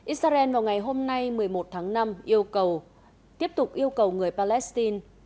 israel vào ngày hôm nay một mươi một tháng năm tiếp tục yêu cầu người palestine